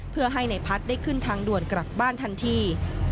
เพื่อให้ในพัฒน์ได้ขึ้นทางด่วนกลับบ้านทันที